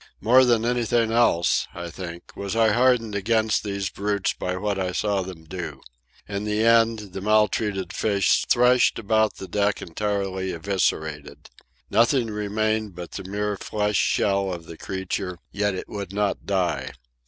More than anything else, I think, was I hardened against these brutes by what I saw them do. In the end, the maltreated fish thrashed about the deck entirely eviscerated. Nothing remained but the mere flesh shell of the creature, yet it would not die.